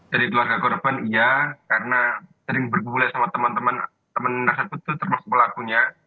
dari keluarga korban iya karena sering bergulai sama teman teman teman nasib betul termasuk pelakunya